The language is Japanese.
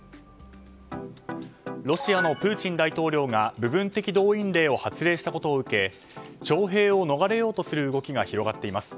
ロシアのプーチン大統領が部分的動員令を発令したことを受け徴兵を逃れようとする動きが広がっています。